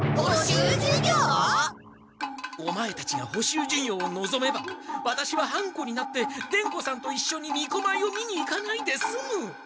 オマエたちが補習授業をのぞめばワタシは半子になって伝子さんと一緒にみこまいを見に行かないですむ。